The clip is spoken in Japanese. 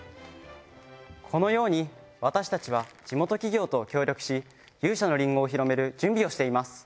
このように私たちは地元企業と協力し勇者のりんごを広める準備をしています。